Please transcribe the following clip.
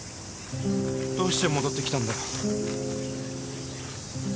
どうして戻って来たんだよ？